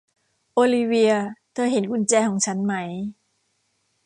โอลิเวียร์ เธอเห็นกุญแจของฉันไหม